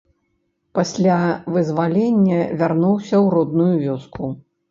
Пасля вызвалення вярнуўся ў родную вёску.